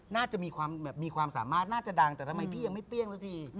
น่าจะมีความสามารถน่าจะดังแต่ทำไมพี่ยังไม่เปรี้ยงสักที